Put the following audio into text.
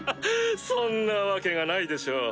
そんなわけがないでしょう。